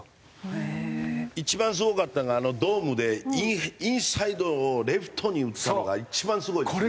一番すごかったのがドームでインサイドをレフトに打ったのが一番すごいですね